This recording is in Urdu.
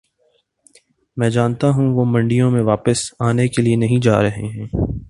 میں جانتا ہوں وہ منڈیوں میں واپس آنے کے لیے نہیں جا رہے ہیں